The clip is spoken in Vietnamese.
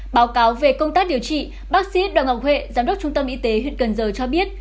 báo cáo về công tác điều trị bác sĩ đào ngọc huệ giám đốc trung tâm y tế huyện cần giờ cho biết